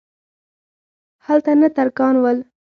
هلته نه ترکان ول.